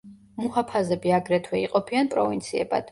მუჰაფაზები აგრეთვე იყოფიან პროვინციებად.